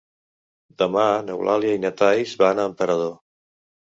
Demà n'Eulàlia i na Thaís van a Emperador.